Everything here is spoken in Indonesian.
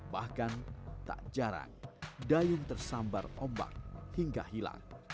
bahkan tak jarang dayung tersambar ombak hingga hilang